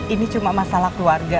ini cuma masalah keluarga